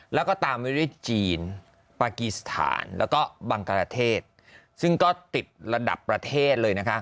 แล้วก็ตามไปด้วยจีนปากีสถานแล้วก็บังกรเทศซึ่งก็ติดระดับประเทศเลยนะคะ